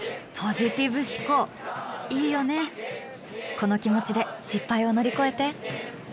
この気持ちで失敗を乗り越えて。